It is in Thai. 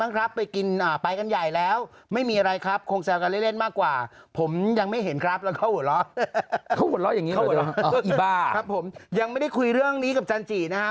ครับยังไม่ได้คุยเรื่องนี้กับจันจินะฮะ